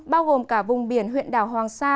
bao gồm cả vùng biển huyện đảo hoàng sa